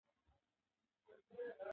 کله چې ولس خپله برخه واخلي نظام پیاوړی کېږي